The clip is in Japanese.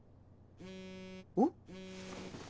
おっ？